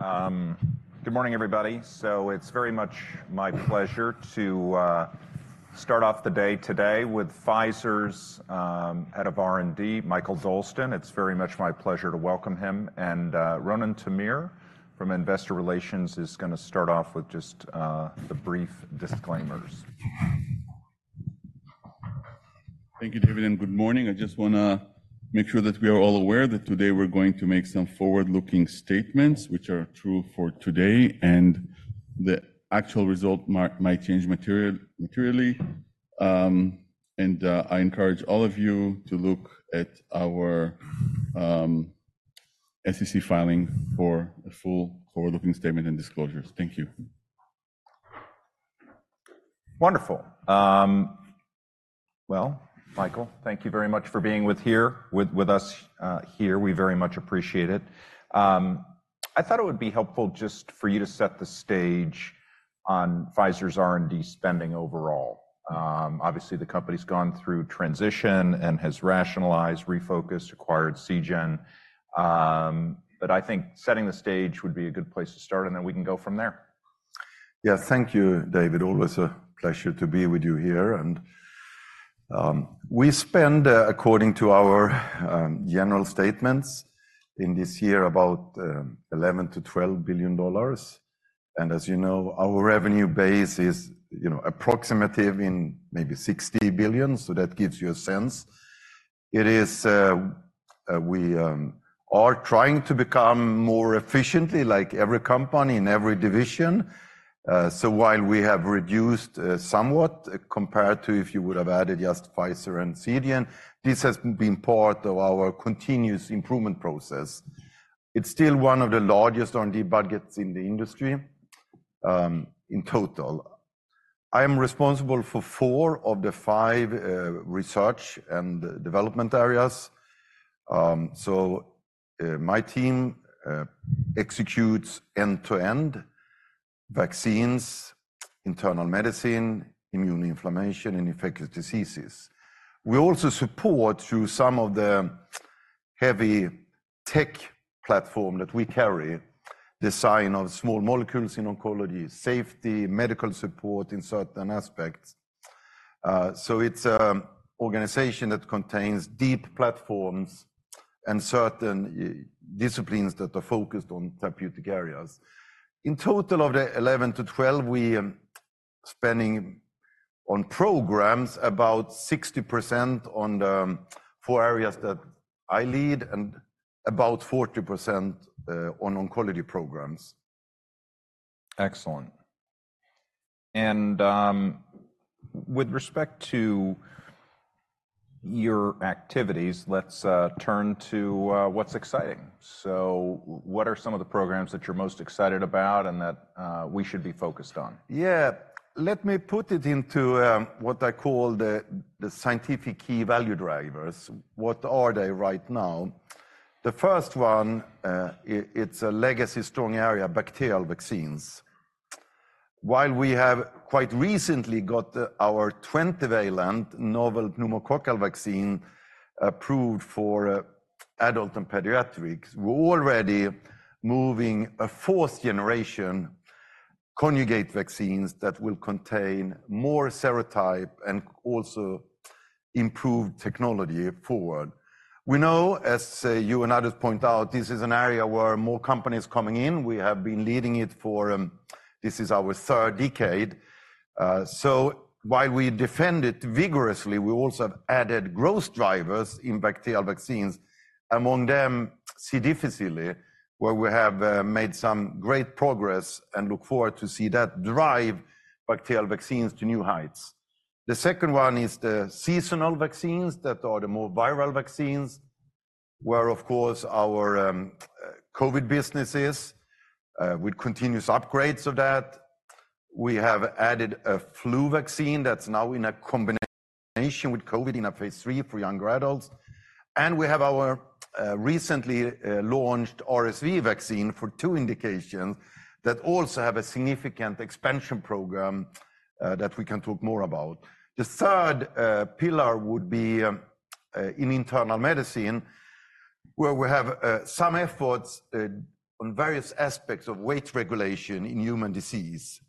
All right. Good morning, everybody. So it's very much my pleasure to start off the day today with Pfizer's head of R&D, Mikael Dolsten. It's very much my pleasure to welcome him. And Ronen Tamir from Investor Relations is going to start off with just the brief disclaimers. Thank you, David, and good morning. I just want to make sure that we are all aware that today we're going to make some forward-looking statements which are true for today and the actual result might change materially. I encourage all of you to look at our SEC filing for a full forward-looking statement and disclosures. Thank you. Wonderful. Well, Michael, thank you very much for being with us here. We very much appreciate it. I thought it would be helpful just for you to set the stage on Pfizer's R&D spending overall. Obviously, the company's gone through transition and has rationalized, refocused, acquired Seagen. But I think setting the stage would be a good place to start, and then we can go from there. Yeah, thank you, David. Always a pleasure to be with you here. We spend, according to our general statements this year, about $11-$12 billion. And as you know, our revenue base is, you know, approximately maybe $60 billion, so that gives you a sense. We are trying to become more efficient, like every company in every division. So while we have reduced somewhat compared to if you would have added just Pfizer and Seagen, this has been part of our continuous improvement process. It's still one of the largest R&D budgets in the industry, in total. I am responsible for four of the five research and development areas. So my team executes end-to-end vaccines, internal medicine, immune inflammation, and infectious diseases. We also support through some of the heavy tech platform that we carry, design of small molecules in oncology, safety, medical support in certain aspects. So it's an organization that contains deep platforms and certain disciplines that are focused on therapeutic areas. In total of the 11-12, we are spending on programs, about 60% on the four areas that I lead and about 40% on oncology programs. Excellent. With respect to your activities, let's turn to what's exciting. What are some of the programs that you're most excited about and that we should be focused on? Yeah, let me put it into what I call the scientific key value drivers. What are they right now? The first one, it's a legacy strong area, bacterial vaccines. While we have quite recently got our 20-valent novel pneumococcal vaccine approved for adult and pediatrics, we're already moving a fourth generation conjugate vaccines that will contain more serotype and also improved technology forward. We know, as you and others point out, this is an area where more companies are coming in. We have been leading it for; this is our third decade. So while we defend it vigorously, we also have added growth drivers in bacterial vaccines, among them C. difficile, where we have made some great progress and look forward to see that drive bacterial vaccines to new heights. The second one is the seasonal vaccines that are the more viral vaccines, where, of course, our COVID businesses, with continuous upgrades of that. We have added a flu vaccine that's now in a combination with COVID in a phase III for younger adults. And we have our recently launched RSV vaccine for two indications that also have a significant expansion program, that we can talk more about. The third pillar would be in internal medicine, where we have some efforts on various aspects of weight regulation in human disease.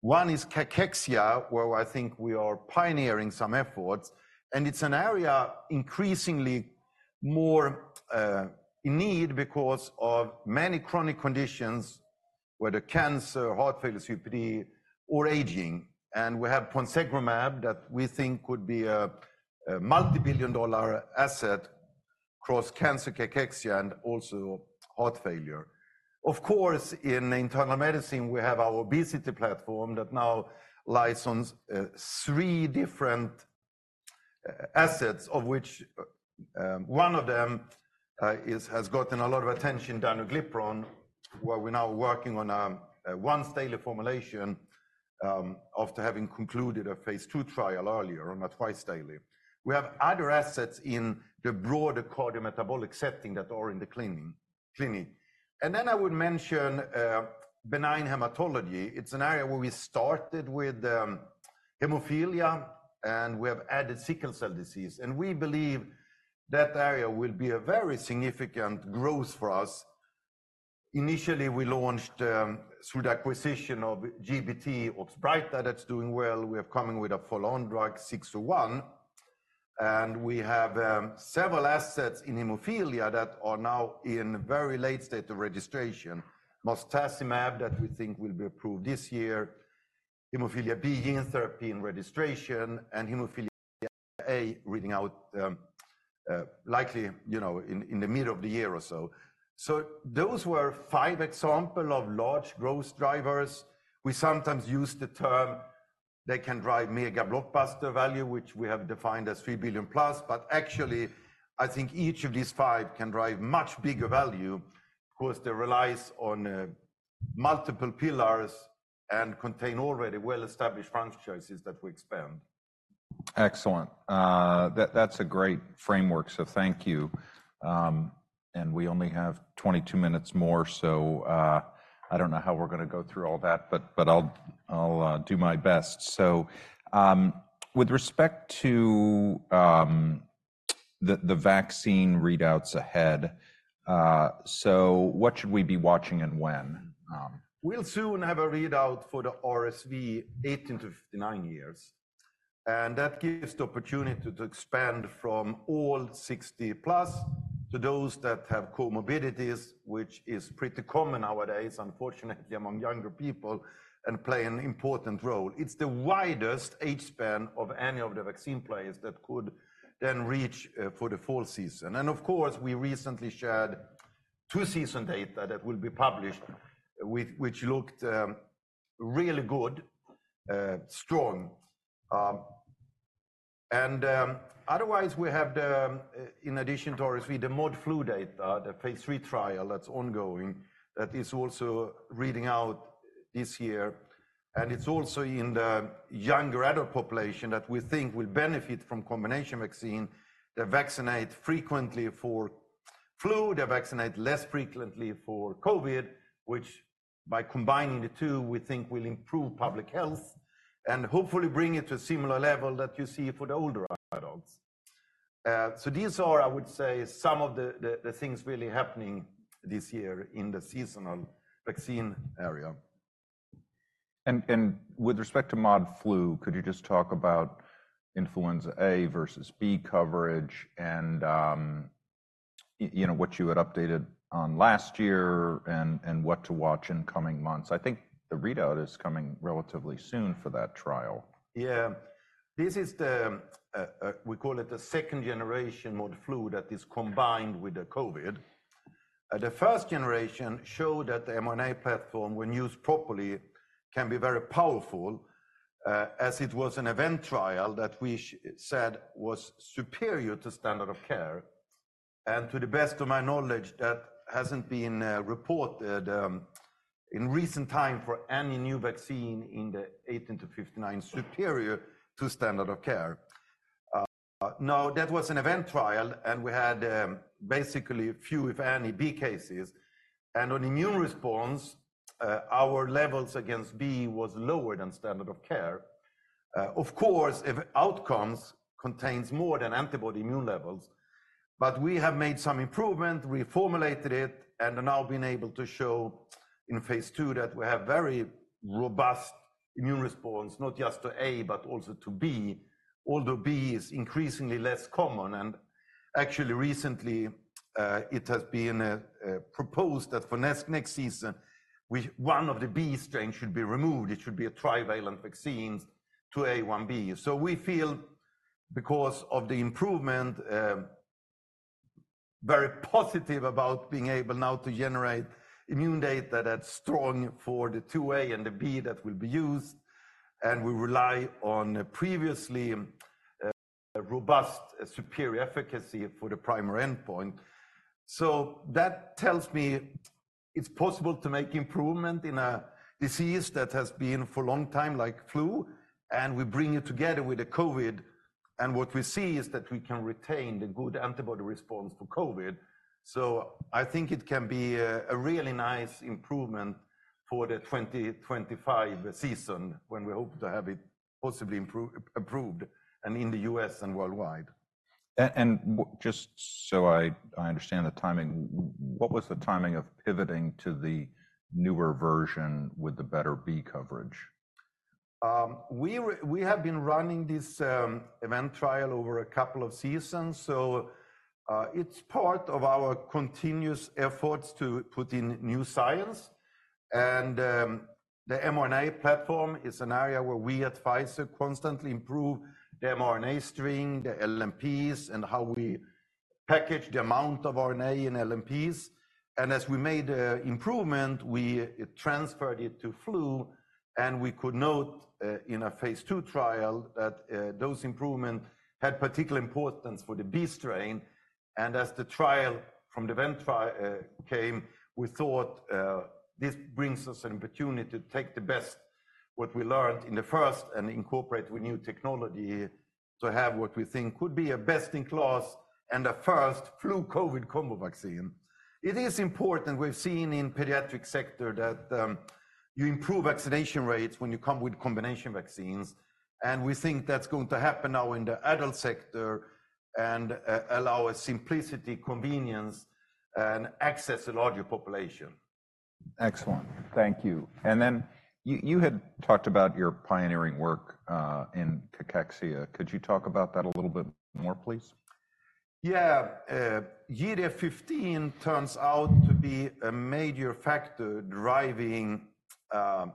One is cachexia, where I think we are pioneering some efforts. And it's an area increasingly more in need because of many chronic conditions, whether cancer, heart failure, COPD, or aging. And we have ponsegromab that we think could be a multibillion-dollar asset across cancer cachexia, and also heart failure. Of course, in internal medicine, we have our obesity platform that now lies on three different assets, of which one of them has gotten a lot of attention, danuglipron, where we're now working on a once-daily formulation, after having concluded a phase II trial earlier on a twice-daily. We have other assets in the broader cardiometabolic setting that are in the clinic. And then I would mention benign hematology. It's an area where we started with hemophilia, and we have added sickle cell disease. And we believe that area will be a very significant growth for us. Initially, we launched, through the acquisition of GBT, Oxbryta that's doing well. We are coming with a full-on drug, 601. We have several assets in hemophilia that are now in very late state of registration, marstacimab that we think will be approved this year, hemophilia B gene therapy in registration, and hemophilia A reading out, likely, you know, in the middle of the year or so. Those were five examples of large growth drivers. We sometimes use the term they can drive mega blockbuster value, which we have defined as $3 billion+. But actually, I think each of these five can drive much bigger value. Of course, they rely on multiple pillars and contain already well-established franchises that we expand. Excellent. That's a great framework, so thank you. And we only have 22 minutes more, so, I don't know how we're going to go through all that, but, but I'll, I'll, do my best. So, with respect to the vaccine readouts ahead, so what should we be watching and when? We'll soon have a readout for the RSV 18-59 years. That gives the opportunity to expand from all 60+ to those that have comorbidities, which is pretty common nowadays, unfortunately, among younger people, and play an important role. It's the widest age span of any of the vaccine players that could then reach for the fall season. Of course, we recently shared two-season data that will be published, which looked really good, strong. Otherwise, we have, in addition to RSV, the mod flu data, the phase III trial that's ongoing, that is also reading out this year. It's also in the younger adult population that we think will benefit from combination vaccine. They vaccinate frequently for flu. They vaccinate less frequently for COVID, which, by combining the two, we think will improve public health and hopefully bring it to a similar level that you see for the older adults. So these are, I would say, some of the things really happening this year in the seasonal vaccine area. With respect to mod flu, could you just talk about influenza A versus B coverage and, you know, what you had updated on last year and what to watch in coming months? I think the readout is coming relatively soon for that trial. Yeah. This is the—we call it the second-generation mRNA flu that is combined with the COVID. The first generation showed that the mRNA platform, when used properly, can be very powerful, as it was an event trial that we said was superior to standard of care. And to the best of my knowledge, that hasn't been reported in recent time for any new vaccine in the 18-59 superior to standard of care. Now, that was an event trial, and we had basically few, if any, B cases. And on immune response, our levels against B was lower than standard of care. Of course, if outcomes contain more than antibody immune levels, but we have made some improvement, reformulated it, and now been able to show in phase II that we have very robust immune response, not just to A but also to B, although B is increasingly less common. And actually, recently, it has been proposed that for next, next season, one of the B strains should be removed. It should be a trivalent vaccine 2A1B. So we feel, because of the improvement, very positive about being able now to generate immune data that's strong for the 2A and the B that will be used. And we rely on a previously robust superior efficacy for the primary endpoint. So that tells me it's possible to make improvement in a disease that has been for a long time, like flu, and we bring it together with the COVID. What we see is that we can retain the good antibody response for COVID. I think it can be a really nice improvement for the 2025 season when we hope to have it possibly improved, approved, and in the U.S. and worldwide. Just so I understand the timing, what was the timing of pivoting to the newer version with the better B coverage? We have been running this event trial over a couple of seasons. So, it's part of our continuous efforts to put in new science. And, the mRNA platform is an area where we at Pfizer constantly improve the mRNA string, the LNPs, and how we package the amount of RNA in LNPs. And as we made an improvement, we transferred it to flu. And we could note, in a phase II trial that, those improvements had particular importance for the B strain. And as the trial from the event trial came, we thought, this brings us an opportunity to take the best what we learned in the first and incorporate with new technology to have what we think could be a best-in-class and a first flu/COVID combo vaccine. It is important. We've seen in the pediatric sector that, you improve vaccination rates when you come with combination vaccines. And we think that's going to happen now in the adult sector and allow us simplicity, convenience, and access to a larger population. Excellent. Thank you. And then you had talked about your pioneering work in cachexia. Could you talk about that a little bit more, please? Yeah. GDF-15 turns out to be a major factor driving a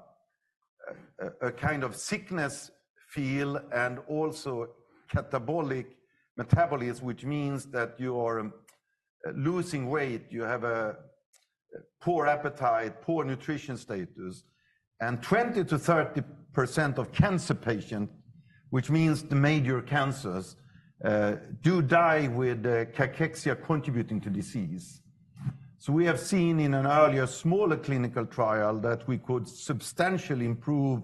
kind of sickness feel and also catabolic metabolism, which means that you are losing weight. You have a poor appetite, poor nutrition status. And 20%-30% of cancer patients, which means the major cancers, do die with cachexia contributing to disease. So we have seen in an earlier smaller clinical trial that we could substantially improve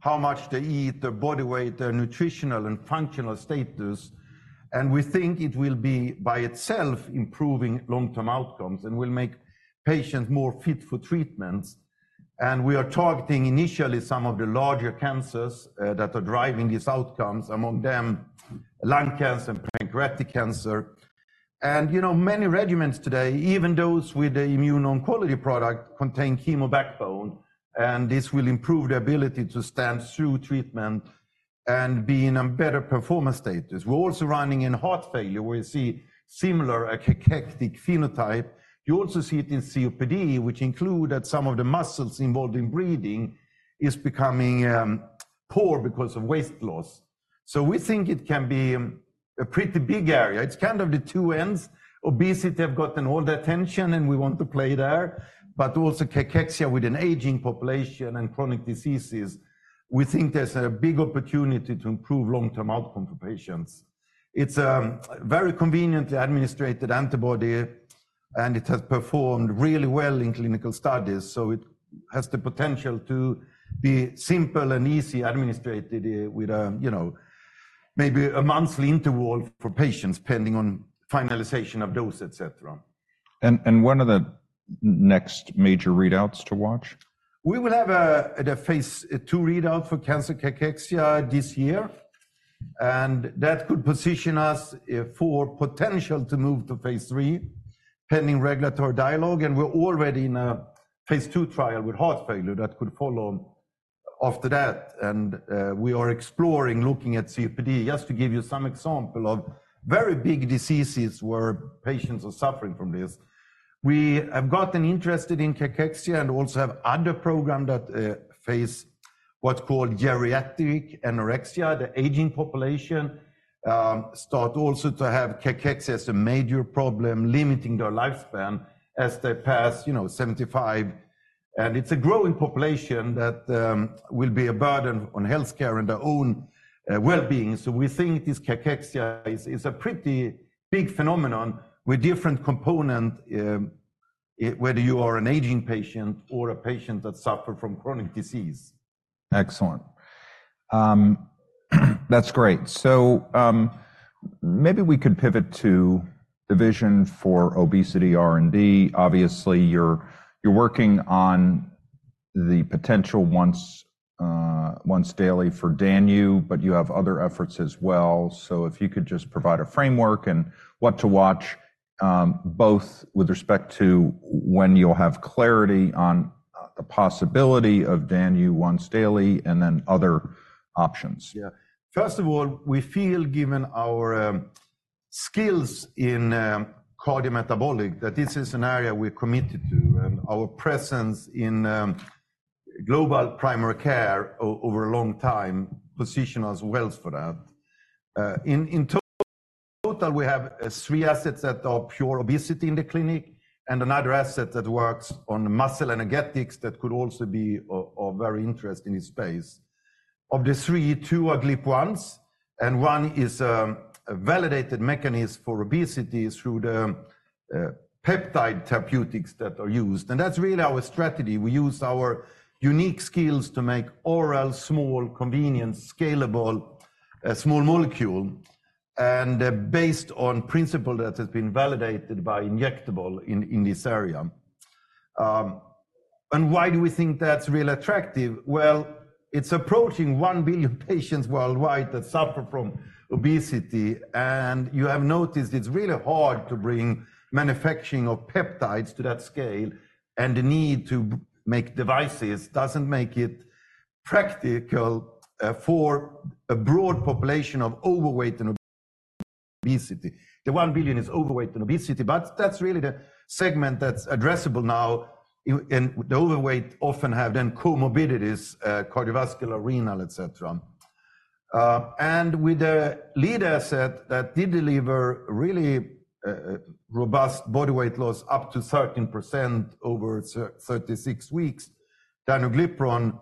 how much they eat, their body weight, their nutritional and functional status. And we think it will be by itself improving long-term outcomes and will make patients more fit for treatments. And we are targeting initially some of the larger cancers that are driving these outcomes, among them lung cancer and pancreatic cancer. And, you know, many regimens today, even those with the immune oncology product, contain chemo backbone. And this will improve the ability to stand through treatment and be in a better performance status. We're also running in heart failure, where you see similar a cachectic phenotype. You also see it in COPD, which include that some of the muscles involved in breathing are becoming poor because of weight loss. So we think it can be a pretty big area. It's kind of the two ends. Obesity has gotten all the attention, and we want to play there. But also cachexia with an aging population and chronic diseases, we think there's a big opportunity to improve long-term outcomes for patients. It's a very conveniently administered antibody, and it has performed really well in clinical studies. So it has the potential to be simple and easy administered with a, you know, maybe a monthly interval for patients, depending on finalization of dose, et cetera. One of the next major readouts to watch? We will have a phase II readout for cancer cachexia this year. That could position us for potential to move to phase III, pending regulatory dialogue. We're already in a phase II trial with heart failure that could follow after that. We are exploring, looking at COPD, just to give you some example of very big diseases where patients are suffering from this. We have gotten interested in cachexia and also have other programs that face what's called geriatric anorexia, the aging population start also to have cachexia as a major problem, limiting their lifespan as they pass, you know, 75. It's a growing population that will be a burden on healthcare and their own well-being. So we think this cachexia is a pretty big phenomenon with different components, whether you are an aging patient or a patient that suffers from chronic disease. Excellent. That's great. So, maybe we could pivot to the vision for obesity R&D. Obviously, you're, you're working on the potential once, once daily for danuglipron, but you have other efforts as well. So if you could just provide a framework and what to watch, both with respect to when you'll have clarity on the possibility of danuglipron once daily and then other options. Yeah. First of all, we feel, given our skills in cardiometabolic, that this is an area we're committed to. Our presence in global primary care over a long time positions us well for that. In total, we have three assets that are pure obesity in the clinic and another asset that works on muscle energetics that could also be of great interest in this space. Of the three, two are GLP-1s. One is a validated mechanism for obesity through the peptide therapeutics that are used. That's really our strategy. We use our unique skills to make oral, small, convenient, scalable, a small molecule, and based on principles that have been validated by injectable in this area. And why do we think that's really attractive? Well, it's approaching 1 billion patients worldwide that suffer from obesity. You have noticed it's really hard to bring manufacturing of peptides to that scale. The need to make devices doesn't make it practical for a broad population of overweight and obesity. The 1 billion is overweight and obesity. But that's really the segment that's addressable now. The overweight often have then comorbidities, cardiovascular, renal, et cetera. With the lead asset that did deliver really robust body weight loss up to 13% over 36 weeks, danuglipron,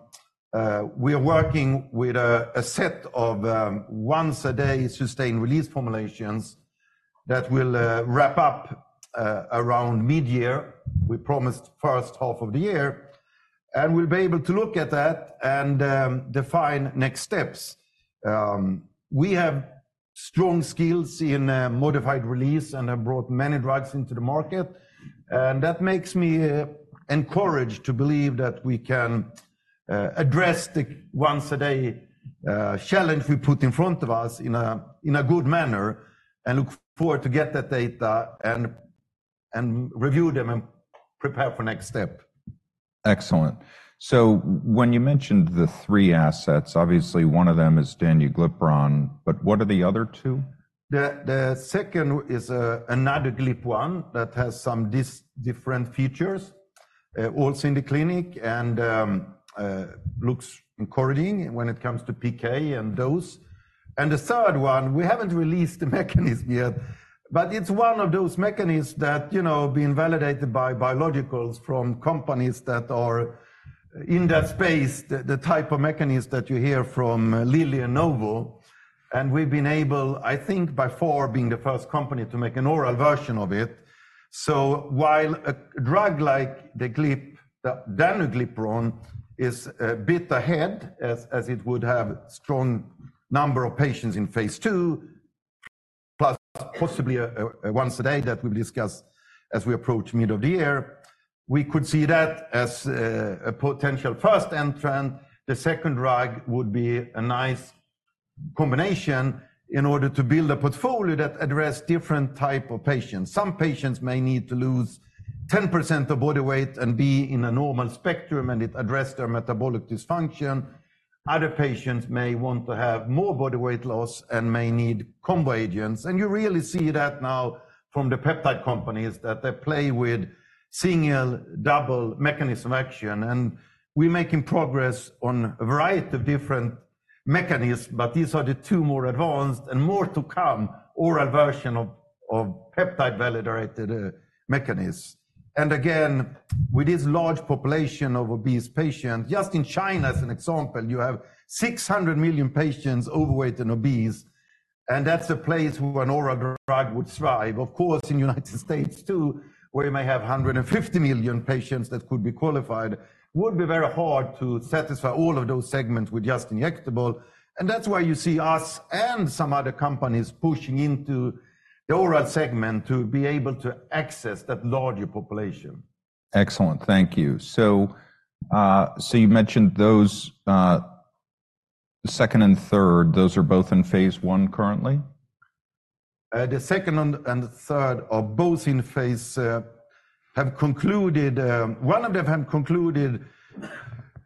we are working with a set of once-a-day sustained release formulations that will wrap up around mid-year. We promised first half of the year. We'll be able to look at that and define next steps. We have strong skills in modified release and have brought many drugs into the market. That makes me encouraged to believe that we can address the once-a-day challenge we put in front of us in a good manner and look forward to get that data and review them and prepare for next step. Excellent. So when you mentioned the three assets, obviously, one of them is danuglipron. But what are the other two? The second is another GLP-1 that has some different features, also in the clinic, and looks encouraging when it comes to PK and dose. And the third one, we haven't released the mechanism yet. But it's one of those mechanisms that, you know, have been validated by biologics from companies that are in that space, the type of mechanisms that you hear from Lilly and Novo. And we've been able, I think, by far being the first company to make an oral version of it. So while a drug like the GLP-1, the danuglipron, is a bit ahead as, as it would have a strong number of patients in phase II, plus possibly a, a once-a-day that we've discussed as we approach mid of the year, we could see that as, a potential first entrant. The second drug would be a nice combination in order to build a portfolio that addresses different types of patients. Some patients may need to lose 10% of body weight and be in a normal spectrum, and it addresses their metabolic dysfunction. Other patients may want to have more body weight loss and may need combo agents. You really see that now from the peptide companies that they play with single-double mechanism of action. We're making progress on a variety of different mechanisms. But these are the two more advanced and more to come, oral version of peptide-validated mechanisms. Again, with this large population of obese patients, just in China as an example, you have 600 million patients overweight and obese. That's a place where an oral drug would thrive. Of course, in the United States too, where you may have 150 million patients that could be qualified, it would be very hard to satisfy all of those segments with just injectable. And that's why you see us and some other companies pushing into the oral segment to be able to access that larger population. Excellent. Thank you. So, you mentioned those, second and third, those are both in phase I currently? The second and third are both in phase, have concluded. One of them have concluded.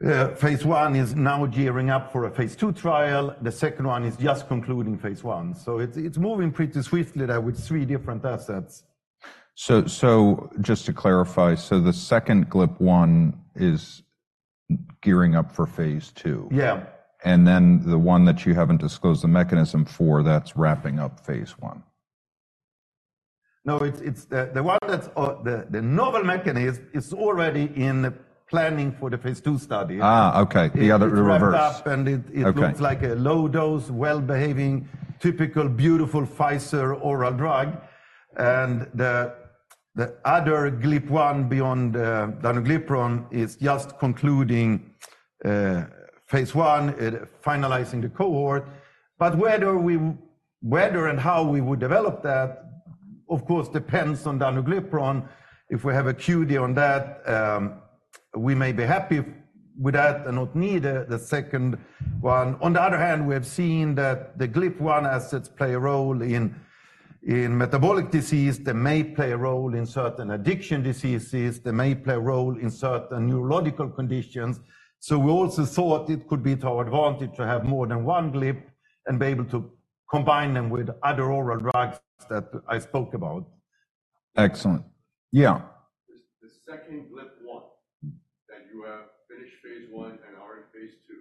Phase I is now gearing up for a phase II trial. The second one is just concluding phase I. So it's, it's moving pretty swiftly there with three different assets. So, just to clarify, the second GLP-1 is gearing up for phase II. Yeah. And then the one that you haven't disclosed the mechanism for, that's wrapping up phase I. No, it's the one that's the novel mechanism is already in the planning for the phase II study. Okay. The other, the reverse. It's wrapped up, and it looks like a low-dose, well-behaving, typical, beautiful Pfizer oral drug. And the other GLP-1 beyond danuglipron is just concluding phase I, finalizing the cohort. But whether we and how we would develop that, of course, depends on danuglipron. If we have a QD on that, we may be happy with that and not need the second one. On the other hand, we have seen that the GLP-1 assets play a role in metabolic disease. They may play a role in certain addiction diseases. They may play a role in certain neurological conditions. So we also thought it could be to our advantage to have more than one GLP and be able to combine them with other oral drugs that I spoke about. Excellent. Yeah. The second GLP-1 that you have finished phase I and are in phase II,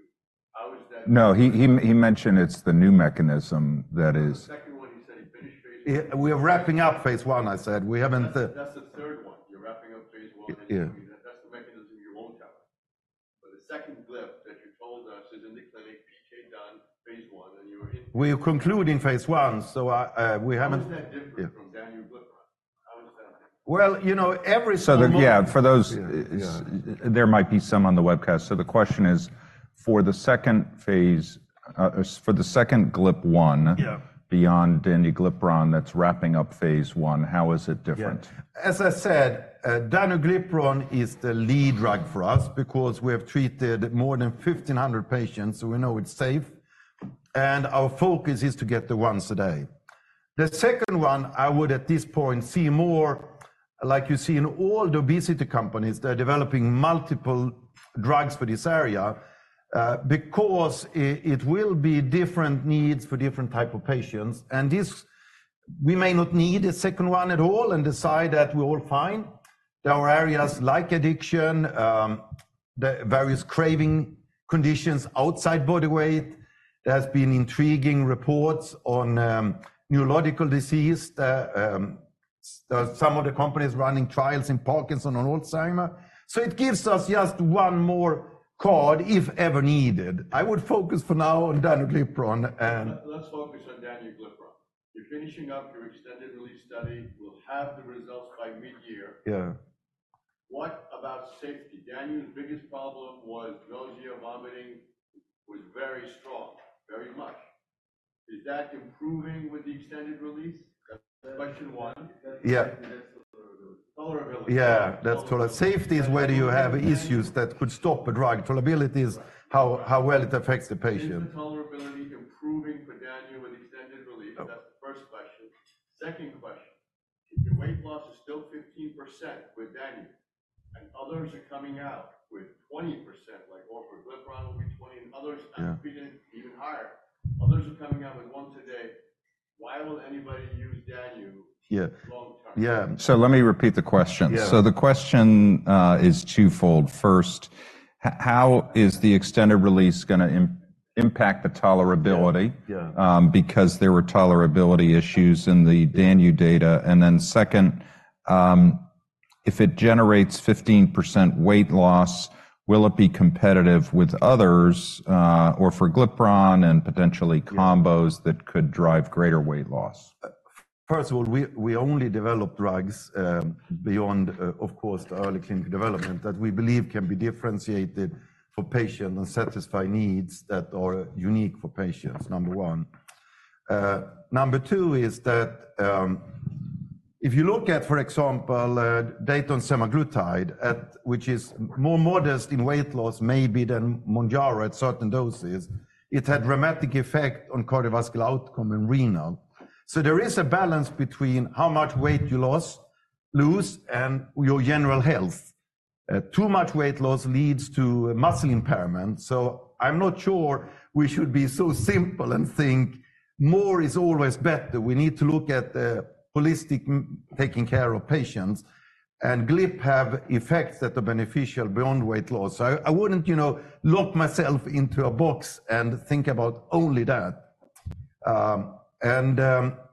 how is that? No, he mentioned it's the new mechanism that is. The second one, he said he finished phase I. We are wrapping up phase I, I said. We haven't. That's the third one. You're wrapping up phase I. Yeah. That's the mechanism you won't have. But the second GLP that you told us is in the clinic, PK done, phase I, and you're in. We are concluding phase I. So, we haven't. How is that different from danuglipron? How is that different? Well, you know, every. Yeah, for those, there might be some on the webcast. So the question is, for the second phase, for the second GLP-1. Yeah. Beyond danuglipron that's wrapping up phase I, how is it different? Yeah. As I said, danuglipron is the lead drug for us because we have treated more than 1,500 patients, so we know it's safe. Our focus is to get the once-a-day. The second one, I would at this point see more, like you see in all the obesity companies, they're developing multiple drugs for this area, because it will be different needs for different types of patients. And this we may not need a second one at all and decide that we're all fine. There are areas like addiction, the various craving conditions outside body weight. There have been intriguing reports on neurological disease. There are some of the companies running trials in Parkinson's and Alzheimer's. So it gives us just one more card if ever needed. I would focus for now on danuglipron and. Let's focus on danuglipron. You're finishing up your extended release study. We'll have the results by mid-year. Yeah. What about safety? Danuglipron's biggest problem was nausea, vomiting, was very strong, very much. Is that improving with the extended release? That's question one. Yeah. That's the tolerability. Tolerability. Yeah. That's tolerability. Safety is whether you have issues that could stop a drug. Tolerability is how well it affects the patient. Is the tolerability improving for danuglipron with extended release? That's the first question. Second question, if your weight loss is still 15% with danuglipron and others are coming out with 20%, like orforglipron will be 20% and others even higher, others are coming out with once-a-day, why will anybody use danuglipron long-term? Yeah. So let me repeat the question. So the question, is twofold. First, how is the extended release going to impact the tolerability? Yeah. because there were tolerability issues in the danuglipron data. Then second, if it generates 15% weight loss, will it be competitive with others, or for lotiglipron and potentially combos that could drive greater weight loss? First of all, we only develop drugs, beyond, of course, the early clinical development that we believe can be differentiated for patients and satisfy needs that are unique for patients, number 1. Number 2 is that, if you look at, for example, semaglutide, which is more modest in weight loss maybe than Mounjaro at certain doses, it had a dramatic effect on cardiovascular outcome and renal. So there is a balance between how much weight you lose and your general health. Too much weight loss leads to muscle impairment. So I'm not sure we should be so simple and think more is always better. We need to look at the holistic taking care of patients. And GLP-1s have effects that are beneficial beyond weight loss. So I wouldn't, you know, lock myself into a box and think about only that.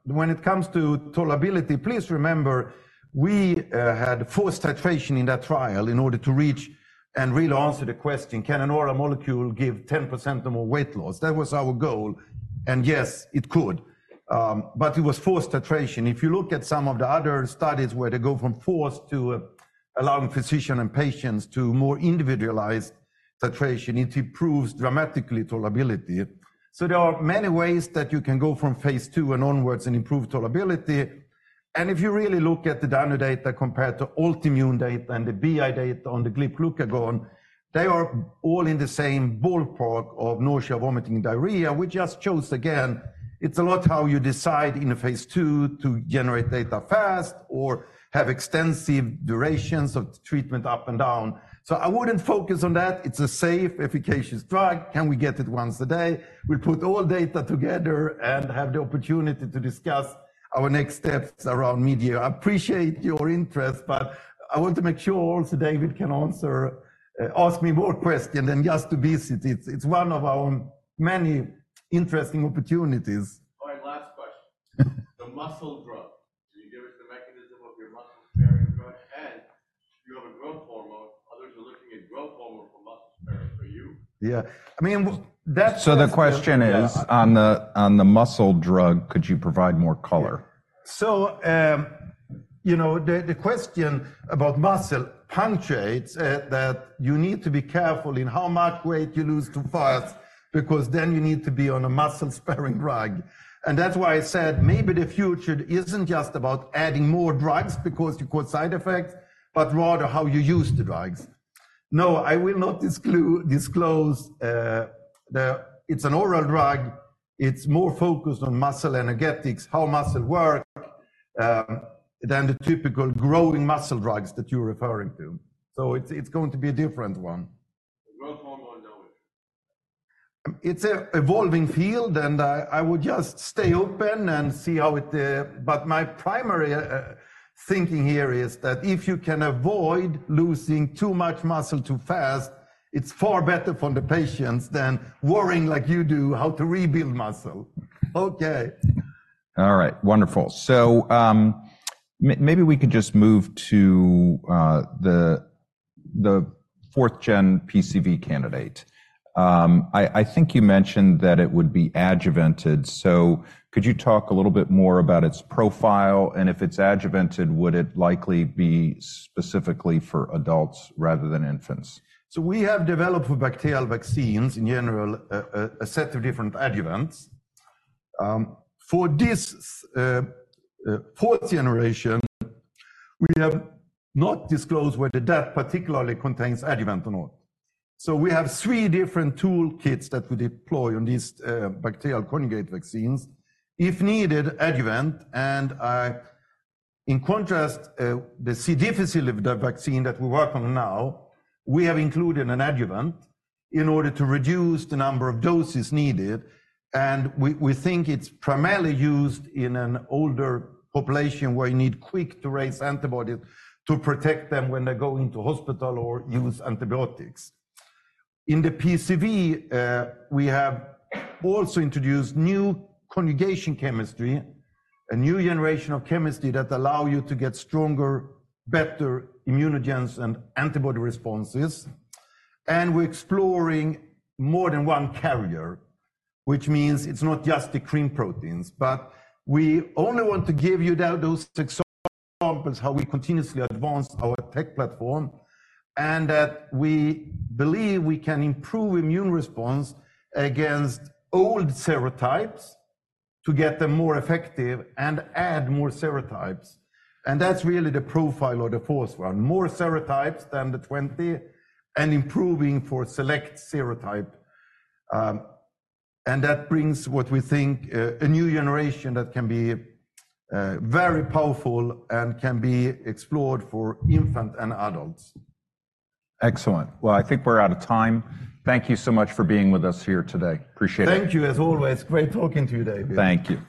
When it comes to tolerability, please remember we had forced titration in that trial in order to reach and really answer the question, can an oral molecule give 10% or more weight loss? That was our goal. And yes, it could. But it was forced titration. If you look at some of the other studies where they go from forced to allowing physicians and patients to more individualized titration, it improves dramatically tolerability. So there are many ways that you can go from phase II and onwards and improve tolerability. And if you really look at the danu data compared to Altimmune data and the BI data on the GLP-1 glucagon, they are all in the same ballpark of nausea, vomiting, and diarrhea. We just chose, again, it's a lot how you decide in phase II to generate data fast or have extensive durations of treatment up and down. So I wouldn't focus on that. It's a safe, efficacious drug. Can we get it once a day? We'll put all data together and have the opportunity to discuss our next steps around mid-year. I appreciate your interest, but I want to make sure also David can answer, ask me more questions than just obesity. It's, it's one of our many interesting opportunities. All right. Last question. The muscle drug, can you give us the mechanism of your muscle-sparing drug? And you have a growth hormone. Others are looking at growth hormone for muscle sparing for you. Yeah. I mean, that's. So the question is, on the muscle drug, could you provide more color? So, you know, the question about muscle punctuates that you need to be careful in how much weight you lose too fast because then you need to be on a muscle-sparing drug. And that's why I said maybe the future isn't just about adding more drugs because you cause side effects, but rather how you use the drugs. No, I will not disclose that it's an oral drug. It's more focused on muscle energetics, how muscle works, than the typical growing muscle drugs that you're referring to. So it's going to be a different one. The growth hormone no issue. It's an evolving field, and I would just stay open and see how it, but my primary thinking here is that if you can avoid losing too much muscle too fast, it's far better for the patients than worrying like you do how to rebuild muscle. Okay. All right. Wonderful. So, maybe we could just move to the fourth-gen PCV candidate. I think you mentioned that it would be adjuvanted. So could you talk a little bit more about its profile? And if it's adjuvanted, would it likely be specifically for adults rather than infants? So we have developed for bacterial vaccines in general, a set of different adjuvants. For this fourth generation, we have not disclosed whether that particularly contains adjuvant or not. So we have three different toolkits that we deploy on these bacterial conjugate vaccines. If needed, adjuvant. In contrast, the C. difficile vaccine that we work on now, we have included an adjuvant in order to reduce the number of doses needed. And we think it's primarily used in an older population where you need quick to raise antibodies to protect them when they go into hospital or use antibiotics. In the PCV, we have also introduced new conjugation chemistry, a new generation of chemistry that allows you to get stronger, better immunogens and antibody responses. We're exploring more than one carrier, which means it's not just the CRM proteins, but we only want to give you those examples how we continuously advance our tech platform and that we believe we can improve immune response against old serotypes to get them more effective and add more serotypes. And that's really the profile of the fourth one, more serotypes than the 20 and improving for select serotype. And that brings what we think, a new generation that can be very powerful and can be explored for infants and adults. Excellent. Well, I think we're out of time. Thank you so much for being with us here today. Appreciate it. Thank you, as always. Great talking to you, David. Thank you.